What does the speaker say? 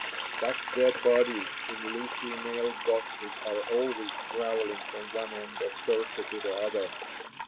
Thus dead bodies, in loosely nailed boxes, are always traveling from one end of Persia to the other.